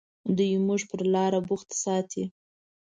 دوی موږ پر لاره بوخت ساتي.